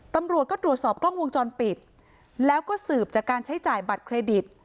ตำรวจก็ตรวจสอบกล้องวงจรปิดแล้วก็สืบจากการใช้จ่ายบัตรเครดิต